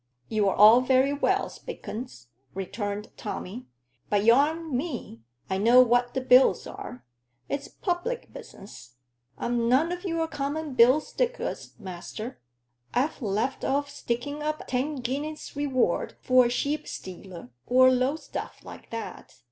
"You're all very well, Spilkins," returned Tommy, "but y'aren't me. I know what the bills are. It's public business. I'm none o' your common bill stickers, master; I've left off sticking up ten guineas reward for a sheep stealer, or low stuff like that.